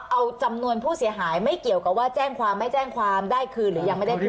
เอาจำนวนผู้เสียหายไม่เกี่ยวกับว่าแจ้งความไม่แจ้งความได้คืนหรือยังไม่ได้คืน